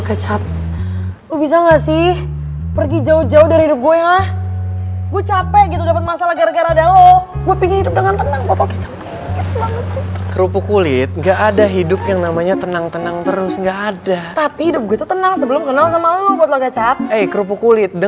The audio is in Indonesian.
kita berdua itu ibarat kata magnet